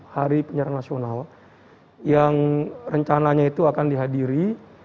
hari penyerang nasional yang rencananya itu akan dihadiri